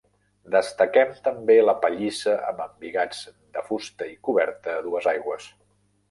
Destaquem també la pallissa amb embigats de fusta i coberta a dues aigües.